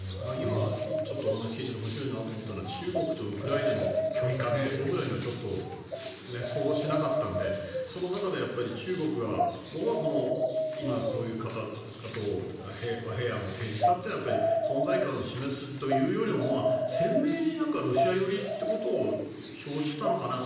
今、お話聞いてて面白いと思ったのは中国とウクライナの距離感って僕らはちょっと想像してなかったのでその中でやっぱり中国が僕は、今、こういう和平案を提示したというのは存在感を示すというよりも鮮明にロシア寄りということを表示したのかなと。